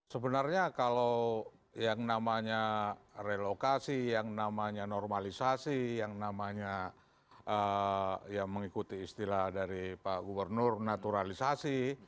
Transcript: sebenarnya kalau yang namanya relokasi yang namanya normalisasi yang namanya ya mengikuti istilah dari pak gubernur naturalisasi